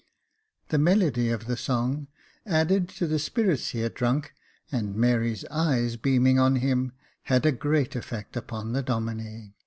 The melody of the song, added to the spirits he had drunk, and Mary's eyes beaming on him, had a great effect upon the Domine.